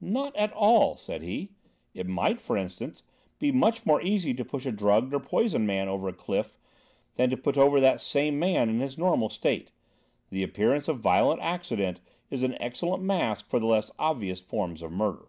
"Not at all," said he. "It might, for instance, be much more easy to push a drugged or poisoned man over a cliff than to put over the same man in his normal state. The appearance of violent accident is an excellent mask for the less obvious forms of murder."